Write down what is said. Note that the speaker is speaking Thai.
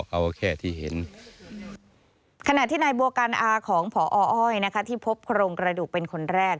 เอาแค่ที่เห็นขณะที่นายบัวกันอาของพออ้อยนะคะที่พบโครงกระดูกเป็นคนแรก